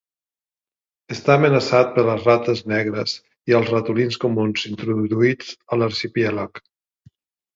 Està amenaçat per les rates negres i els ratolins comuns introduïts a l'arxipèlag.